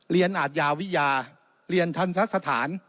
เรียนอาจญาวิทยาเรียนทันทรสถาน